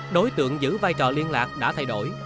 đối tượng giữ vai trò liên lạc đã thay đổi